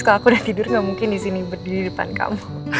kalau aku udah tidur gak mungkin disini berdiri depan kamu